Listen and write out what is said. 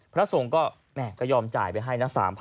พระสงฆ์ก็ยอมจ่ายไปให้นะ